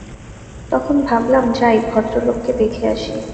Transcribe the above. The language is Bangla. তখন ভাবলাম, যাই, ভদ্রলোককে দেখে আসি।